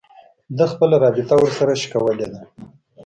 ده خپله رابطه ورسره شلولې ده